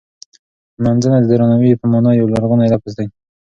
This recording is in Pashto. نمځنه د درناوی په مانا یو لرغونی لفظ دی.